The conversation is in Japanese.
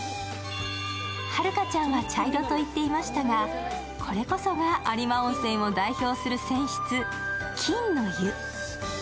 遥ちゃんは茶色と言っていましたが、これこそが有馬温泉を代表する泉質、金の湯。